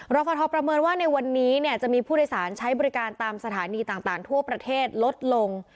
ฟทประเมินว่าในวันนี้จะมีผู้โดยสารใช้บริการตามสถานีต่างทั่วประเทศลดลง